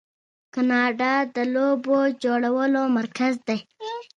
کاناډا د لوبو جوړولو مرکز دی.